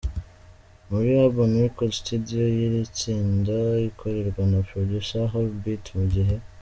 muri Urban Record studio y'iri tsinda ikorwa na Producer Hollybeat mu gihe